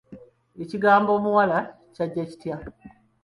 Ekigambo omuwala kyajja kitya?